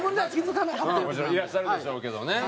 もちろんいらっしゃるでしょうけどね。